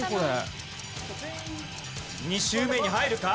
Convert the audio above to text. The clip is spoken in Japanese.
２周目に入るか？